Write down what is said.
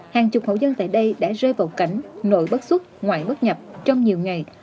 hàng chục hậu dân tại đây đã rơi vào cảnh nội bất xuất ngoại bất nhập trong nhiều ngày